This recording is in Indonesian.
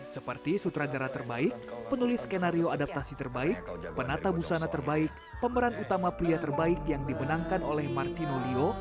seperti sutradara terbaik penulis skenario adaptasi terbaik penata busana terbaik pemeran utama pria terbaik yang dimenangkan oleh martino lio